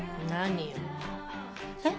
何？